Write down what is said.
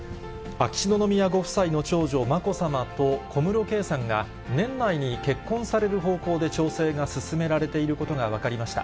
秋篠宮ご夫妻の長女、まこさまと小室圭さんが、年内に結婚される方向で調整が進められていることが分かりました。